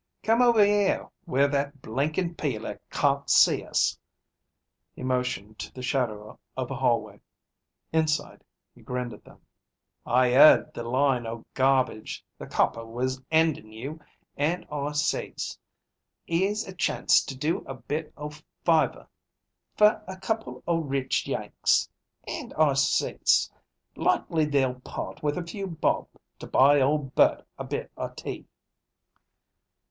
"Come over 'ere where that blinkin' peeler cawn't see us." He motioned to the shadow of a hallway. Inside, he grinned at them. "I 'eard the line o' garbage the copper was 'andin' you and I says, 'ere's a chance to do a bit o' fyvor fer a couple o' rich Yanks. And, I says, likely they'll part with a few bob to buy ol' Bert a bit o' tea."